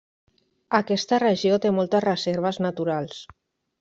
Aquesta regió té moltes reserves naturals.